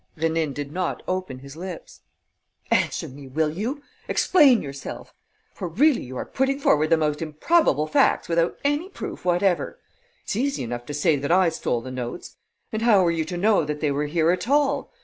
Rénine did not open his lips. "Answer me, will you? Explain yourself; for, really, you are putting forward the most improbable facts without any proof whatever. It's easy enough to say that I stole the notes. And how were you to know that they were here at all?